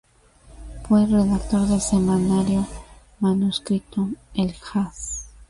Fue redactor del semanario manuscrito "El haz".